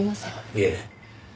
いえ。